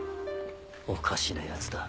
おかしなやつだ。